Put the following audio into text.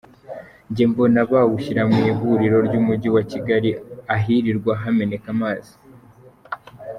jye mbona bamushira mwihuriro ryumugi wa kigari ahirirwa hameneka amazi.